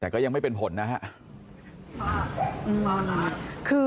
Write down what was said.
แต่ก็ยังไม่เป็นผลนะครับ